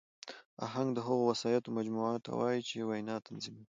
آهنګ د هغو وسایطو مجموعې ته وایي، چي وینا تنظیموي.